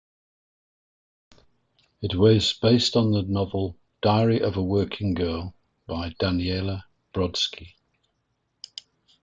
It was based on the novel "Diary of a Working Girl" by Daniella Brodsky.